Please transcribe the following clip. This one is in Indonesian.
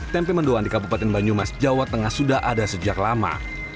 tempe mendoan di kabupaten banyumas jawa tengah sudah ada sejak lama